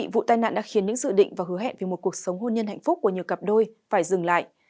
vụ tai nạn đã khiến những dự định và hứa hẹn về một cuộc sống hôn nhân hạnh phúc của nhiều cặp đôi phải dừng lại